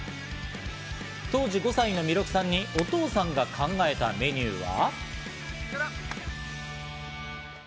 当時５歳の弥勒さんにお父さんが考えたメニューが。